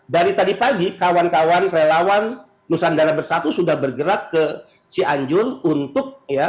dari tadi pagi kawan kawan relawan nusantara bersatu sudah bergerak ke cianjur untuk ya